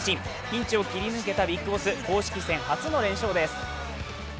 ピンチを切り抜けたＢＩＧＢＯＳＳ、公式戦初の連勝です。